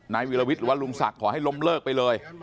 นายวิรวิทย์หรือว่าลุงศักดิ์ขอให้ล้มเลิกไปเลย